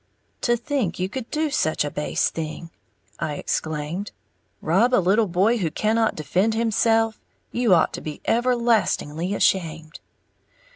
"To think you could do such a base thing!" I exclaimed, "Rob a little boy who cannot defend himself. You ought to be everlastingly ashamed!"